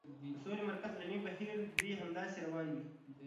د سولې مرکز علمي بهیر دې همداسې روان وي.